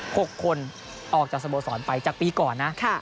หกคนออกจากสโมสรไปจากปีก่อนนะค่ะ